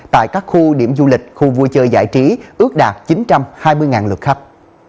tại các khu điểm du lịch khu vui chơi giải trí ước đạt chín trăm hai mươi lượt khách